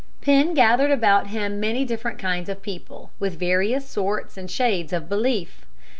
Penn gathered about him many different kinds of people, with various sorts and shades of belief.